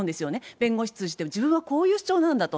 弁護士通じて、自分はこういう主張なんだと。